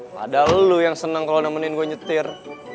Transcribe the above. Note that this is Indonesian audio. padahal lo yang senang kalau nemenin gue nyetir